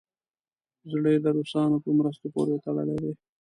زړه یې د روسانو په مرستو پورې تړلی دی.